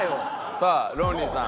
さあロンリーさん。